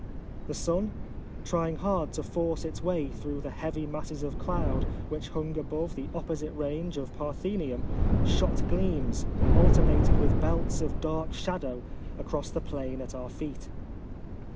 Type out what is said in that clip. The sun, trying hard to force its way through the heavy masses of cloud which hung above the opposite range of Parthe nium, shot gleams, alternated with belts of dark shadow, across the plain at our feet.